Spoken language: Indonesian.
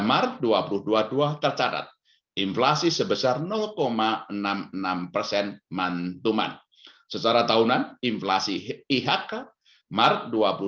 maret dua puluh dua tercatat inflasi sebesar enam puluh enam persen mantuman secara tahunan inflasi ihaka maret